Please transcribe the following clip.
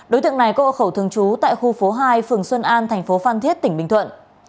đối tượng này có hộ khẩu thường trú tại khu phố hai phường xuân an thành phố phan thiết tỉnh bình thuận